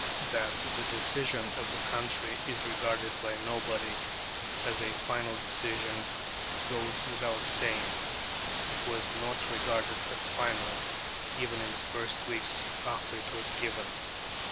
That the decision of the country is regarded by nobody as a final decision goes without saying. It was not regarded as final, even in the first weeks after it was given.